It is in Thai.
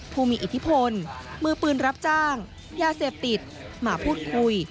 ผู้มีอิทธิพลมือปืนรับจ้างยาเสพติดมาพูดคุย